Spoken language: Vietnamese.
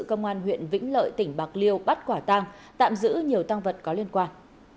công an huyện vĩnh lợi tỉnh bạc liêu bắt quả tang tạm giữ nhiều tăng vật có liên quan